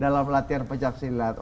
dalam latihan pecah silat